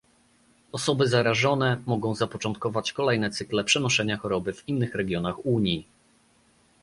Osoby zarażone mogą zapoczątkować kolejne cykle przenoszenia choroby w innych regionach Unii